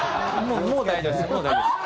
もう大丈夫です。